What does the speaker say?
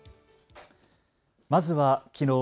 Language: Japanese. まずはきのう